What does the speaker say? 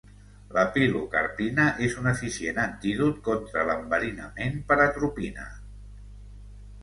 La pilocarpina és un eficient antídot contra l'enverinament per atropina.